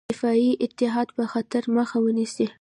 دفاعي اتحاد به خطر مخه ونیسي.